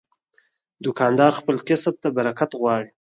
دوکاندار خپل کسب ته برکت غواړي.